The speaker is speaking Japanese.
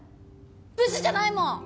ブスじゃないもん！